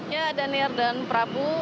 ya daniel dan prabu